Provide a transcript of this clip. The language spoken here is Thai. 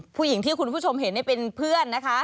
ผู้หญิงที่คุณผู้ชมเห็นเป็นเพื่อนนะคะ